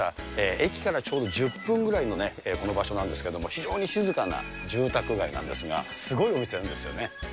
駅からちょうど１０分ぐらいのこの場所なんですけれども、非常に静かな住宅街なんですが、すごいお店があるんですよね。